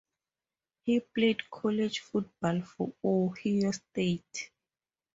He played college football for Ohio State.